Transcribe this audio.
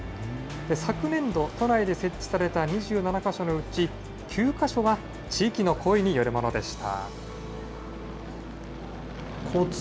昨年度、都内で設置された２７か所のうち、９か所は地域の声によるものでした。